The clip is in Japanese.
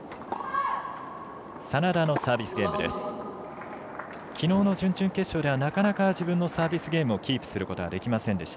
眞田のサービスゲームです。